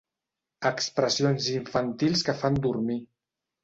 Expressions infantils que fan dormir.